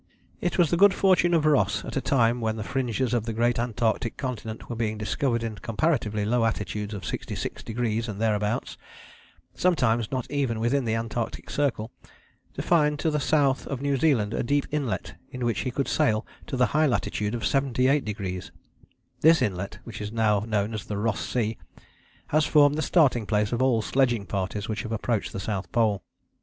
It was the good fortune of Ross, at a time when the fringes of the great Antarctic continent were being discovered in comparatively low latitudes of 66° and thereabouts, sometimes not even within the Antarctic Circle, to find to the south of New Zealand a deep inlet in which he could sail to the high latitude of 78°. This inlet, which is now known as the Ross Sea, has formed the starting place of all sledging parties which have approached the South Pole.